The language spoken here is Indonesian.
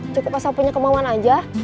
cukup asal punya kemauan aja